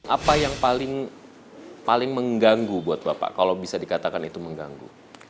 apa yang paling mengganggu buat bapak kalau bisa dikatakan itu mengganggu